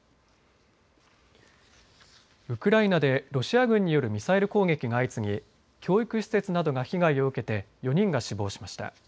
ウクライナでロシア軍によるミサイル攻撃が相次ぎ教育施設などが被害を受けて４人が死亡しました。